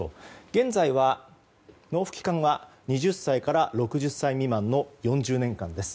現在は、納付期間は２０歳から６０歳未満の４０年間です。